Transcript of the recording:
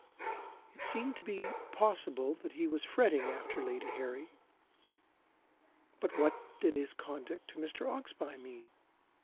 It seemed to be possible that he was fretting after Lady Harry. But what did his conduct to Mr. Oxbye mean?